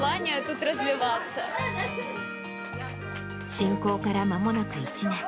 侵攻からまもなく１年。